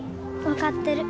分かってる。